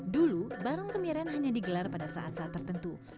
dulu barong kemiren hanya digelar pada saat saat tertentu